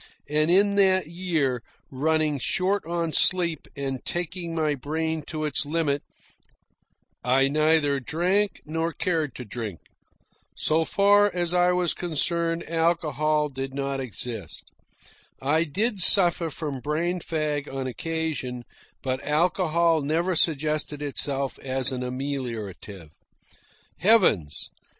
And in that year, running short on sleep and tasking my brain to its limit, I neither drank nor cared to drink. So far as I was concerned, alcohol did not exist. I did suffer from brain fag on occasion, but alcohol never suggested itself as an ameliorative. Heavens!